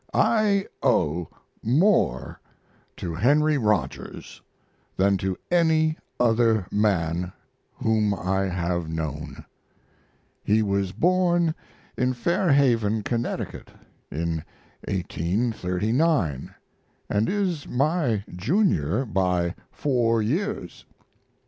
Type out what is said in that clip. I owe more to Henry Rogers than to any other man whom I have known. He was born in Fairhaven, Connecticut, in 1839, and is my junior by four years.